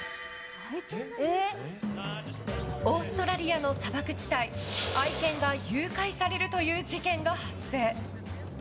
オーストラリアの砂漠地帯愛犬が誘拐されるという事件が発生。